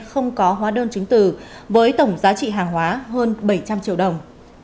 không có hóa đơn chứng tử với tổng giá trị hàng hóa hơn bảy trăm linh triệu đồng